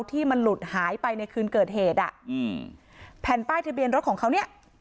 ที่มันหลุดหายไปในคืนเกิดเหตุอ่ะอืมแผ่นป้ายทะเบียนรถของเขาเนี้ย